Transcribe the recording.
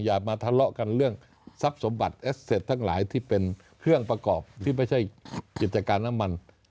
อย่ามาทะเลาะกันเรื่องทรัพย์สมบัติเอสเต็ตทั้งหลายที่เป็นเครื่องประกอบที่ไม่ใช่กิจการน้ำมัน